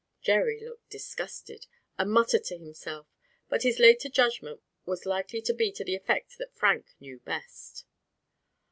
Jerry looked disgusted, and muttered to himself; but his later judgment was likely to be to the effect that Frank knew best.